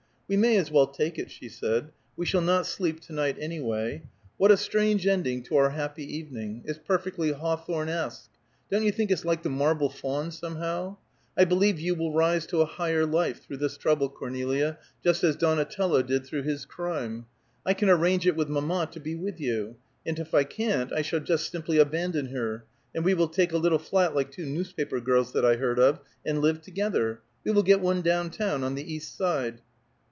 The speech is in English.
"We may as well take it," she said. "We shall not sleep to night anyway. What a strange ending to our happy evening. It's perfectly Hawthornesque. Don't you think it's like the Marble Faun, somehow? I believe you will rise to a higher life through this trouble, Cornelia, just as Donatello did through his crime. I can arrange it with mamma to be with you; and if I can't I shall just simply abandon her, and we will take a little flat like two newspaper girls that I heard of, and live together. We will get one down town, on the East Side."